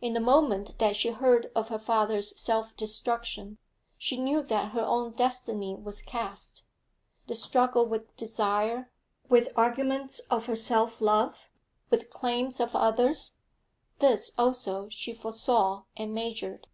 In the moment that she heard of her father's self destruction, she knew that her own destiny was cast; the struggle with desire, with arguments of her self love, with claims of others, this also she foresaw and measured.